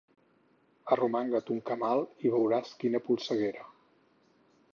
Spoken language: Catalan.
Arromanga't un camal i veuràs quina polseguera.